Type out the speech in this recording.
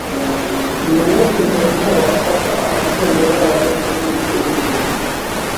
Ni uwuhe muntu wafata amatungo yabo muri ubwo buryo?